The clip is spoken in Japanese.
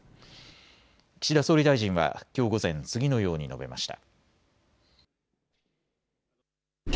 岸田総理大臣はきょう午前、次のように述べました。